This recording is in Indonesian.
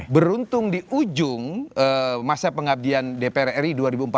beruntung di ujung masa pengabdian dpr ri dua ribu empat belas dua ribu sembilan belas